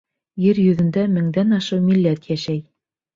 Ер йөҙөндә меңдән ашыу милләт йәшәй.